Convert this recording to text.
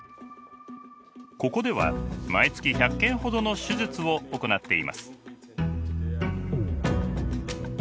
ここでは毎月１００件ほどの手術を行っています。